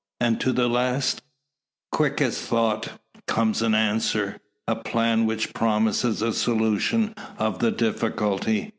And to the last, quick as thought, comes an answer a plan which promises a solution of the difficulty.